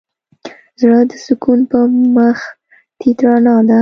زړه د سکون په مخ تيت رڼا ده.